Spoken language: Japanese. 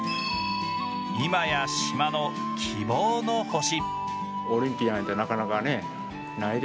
今や島の希望の星。